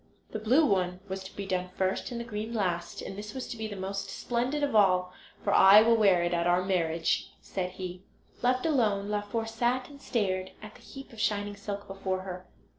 The blue one was to be done first and the green last, and this was to be the most splendid of all, "for I will wear it at our marriage," said he. Left alone, Laufer sat and stared at the heap of shining silk before her.